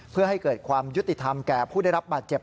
เพื่อให้เกิดความยุติธรรมแก่ผู้ได้รับบาดเจ็บ